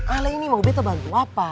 ala ini mau beta bantu apa